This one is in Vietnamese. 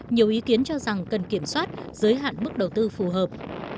nhiều ý kiến cho rằng cần kiểm soát giới hạn mức đầu tư phù hợp